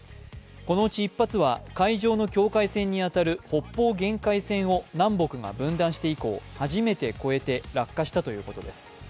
このうち１発は海上の境界線に当たる北方限界線を南北が分断して以降、初めて越えて落下したということです。